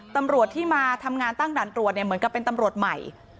ตำรวจที่มาทำงานตั้งด่านตรวจเนี่ยเหมือนกับเป็นตำรวจใหม่